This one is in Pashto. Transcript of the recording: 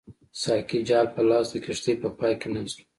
ساقي جال په لاس د کښتۍ په پای کې ناست وو.